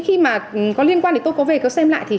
khi có liên quan tôi có về xem lại